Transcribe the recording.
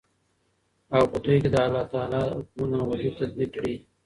او په دوى كې دالله تعالى حكمونه او حدود تطبيق كړي .